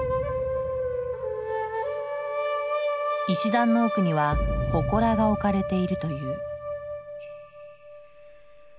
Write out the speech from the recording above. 石段の奥には祠が置かれているという。